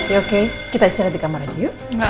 you okay kita istirahat di kamar aja yuk